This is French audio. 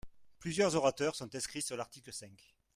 Plusieurs orateurs sont inscrits sur l’article cinq.